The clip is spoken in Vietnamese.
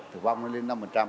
tỷ lệ tử vong nó lên năm